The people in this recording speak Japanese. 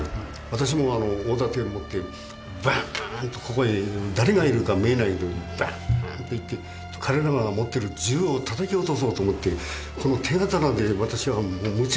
私も大盾持ってバーンとここに誰がいるか見えないんだけどバーンといって彼らが持ってる銃をたたき落とそうと思って手刀で私は夢中になってやったです。